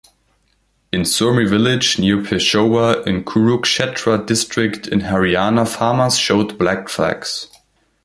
In Surmi village near Pehowa in Kurukshetra district in Haryana farmers showed black flags.